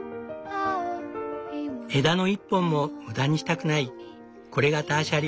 枝の一本も無駄にしたくないこれがターシャ流。